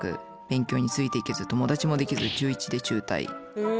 勉強についていけず友達もできず中１で中退。